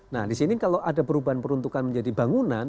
nah di sini kalau ada perubahan peruntukan menjadi bangunan